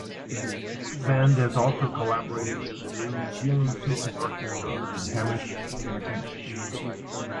The band has also collaborated with the New Zealand Symphony Orchestra and Hamish McKietch.